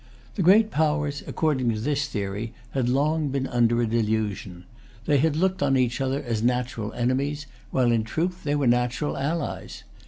The great powers, according to this theory, had long been under a delusion. They had looked on each other as natural enemies, while in truth they were natural allies.